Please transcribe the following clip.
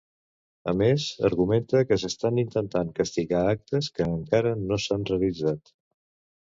A més, argumenta que s'estan intentant castigar actes que encara no s'han realitzat.